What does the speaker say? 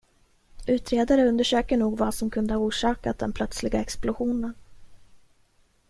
Utredare undersöker nog vad som kunde ha orsakat den plötsliga explosionen.